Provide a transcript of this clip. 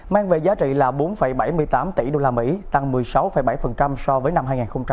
mang về giá trị là bốn bảy mươi tám tỷ usd tăng một mươi sáu bảy so với năm hai nghìn một mươi tám